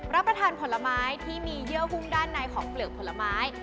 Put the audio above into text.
รับประทานผลไม้ที่มีเยื่อหุ้มด้านในของเปลือกผลไม้